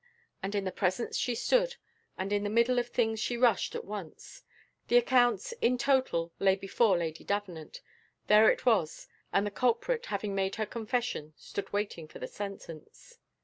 And in the presence she stood, and into the middle of things she rushed at once; the accounts, the total, lay before Lady Davenant. There it was: and the culprit, having made her confession, stood waiting for the sentence.